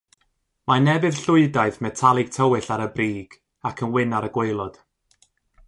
Mae'n efydd-llwydaidd metalig tywyll ar y brig ac yn wyn ar y gwaelod.